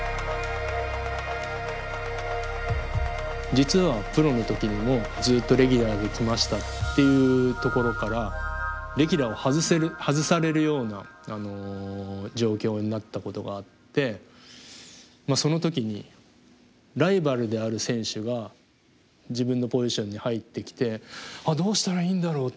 実はプロの時にもずっとレギュラーで来ましたっていうところからレギュラーを外されるような状況になったことがあってその時にライバルである選手が自分のポジションに入ってきてどうしたらいいんだろうって。